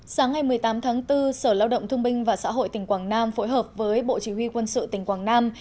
sáng ngày một mươi tám tháng bốn sở lao động thương binh và xã hội tỉnh quảng nam phối hợp với bộ chỉ huy quân sự tỉnh quảng nam